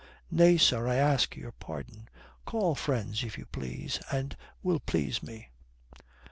"Nay, sir, I ask your pardon. Call friends if you please and will please me."